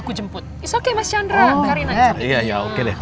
gotoh baikalnya gitu udah ya